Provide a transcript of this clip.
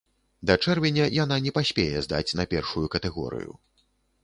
Да чэрвеня яна не паспее здаць на першую катэгорыю.